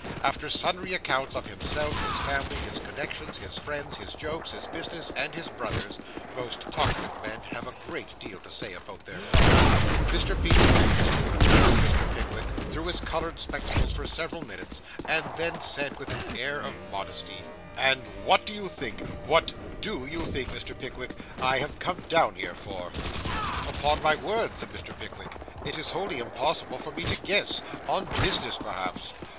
After sundry accounts of himself, his family, his connections, his friends, his jokes, his business, and his brothers (most talkative men have a great deal to say about their brothers), Mr. Peter Magnus took a view of Mr. Pickwick through his coloured spectacles for several minutes, and then said, with an air of modesty 'And what do you think what do you think, Mr. Pickwick I have come down here for?' 'Upon my word,' said Mr. Pickwick, 'it is wholly impossible for me to guess; on business, perhaps.